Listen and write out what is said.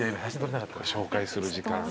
紹介する時間。